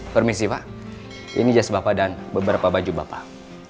permisi pak ini jas bapak dan beberapa baju bapak